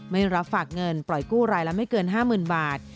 ไม่รับฝากเงินปล่อยกู้รายละไม่เกิน๕๐๐๐บาท